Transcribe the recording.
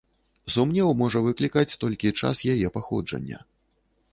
Сумнеў можа выклікаць толькі час яе паходжання.